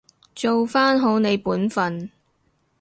做返好你本分